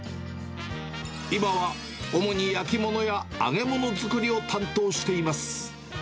今は主に焼き物や揚げ物作りを担当しています。